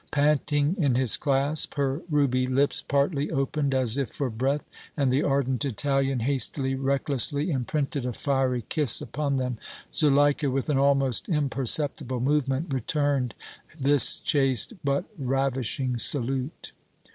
Panting in his clasp, her ruby lips partly opened as if for breath, and the ardent Italian hastily, recklessly imprinted a fiery kiss upon them. Zuleika, with an almost imperceptible movement, returned this chaste, but ravishing salute.